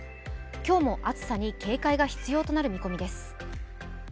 今日も暑さに警戒が必要となる見込みです。